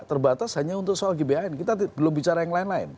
terbatas hanya untuk soal gbhn kita belum bicara yang lain lain